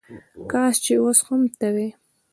کاش چې وس هم ته وای